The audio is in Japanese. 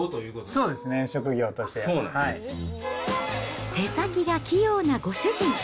そうですね、職業としてやっ手先が器用なご主人。